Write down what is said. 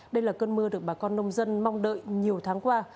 đây là cơn mưa được bà con nông dân mong đợi nhiều tháng qua